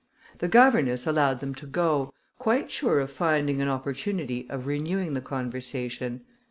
The governess allowed them to go, quite sure of finding an opportunity of renewing the conversation.